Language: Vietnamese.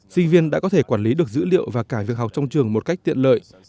sinh viên đã có thể quản lý được dữ liệu và cả việc học trong trường một cách tiện lợi